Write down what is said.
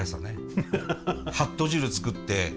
はっと汁作って。